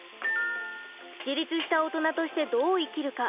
自立したオトナとしてどう生きるか？